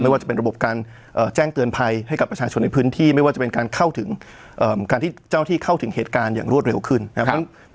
ว่าจะเป็นระบบการแจ้งเตือนภัยให้กับประชาชนในพื้นที่ไม่ว่าจะเป็นการเข้าถึงการที่เจ้าที่เข้าถึงเหตุการณ์อย่างรวดเร็วขึ้นนะครับ